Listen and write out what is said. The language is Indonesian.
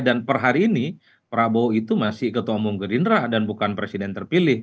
dan per hari ini prabowo itu masih ketua umum gerindra dan bukan presiden terpilih